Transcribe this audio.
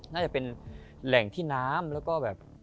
น่าจะเป็นแหล่งที่น้ำแล้วก็แบบ